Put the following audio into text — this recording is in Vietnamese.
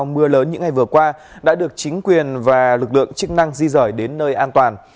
mưa lớn những ngày vừa qua đã được chính quyền và lực lượng chức năng di rời đến nơi an toàn